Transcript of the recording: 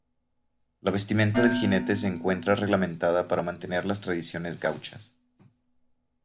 La vestimenta del jinete se encuentra reglamentada para mantener las tradiciones gauchas.